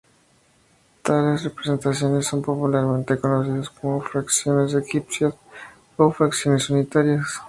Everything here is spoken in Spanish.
Tales representaciones son popularmente conocidos como fracciones egipcias o fracciones unitarias.